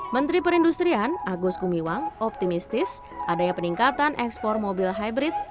menteri perindustrian agus gumiwang optimistis adanya peningkatan ekspor mobil hybrid